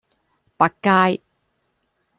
弼街